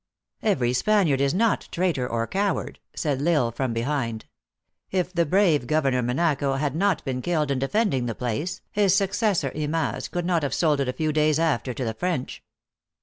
" Every Spaniard is not traitor or coward," said L Isle from behind. If the brave Governor Menacho had not been killed in defending the place, his suc cessor Imaz could not have sold it a few days after to the French."